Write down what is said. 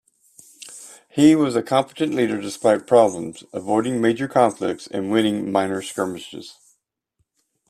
He was a competent leader despite problems, avoiding major conflicts and winning minor skirmishes.